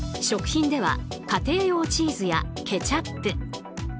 食品では家庭用チーズやケチャップ。